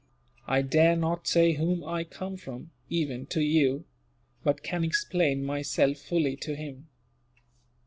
I dare not say whom I come from, even to you; but can explain myself fully to him."